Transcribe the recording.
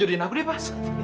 jodohin aku deh pak